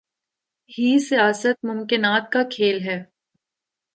ہی سیاست ممکنات کا کھیل ہے۔